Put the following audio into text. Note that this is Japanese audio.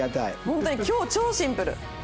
本当に今日超シンプル！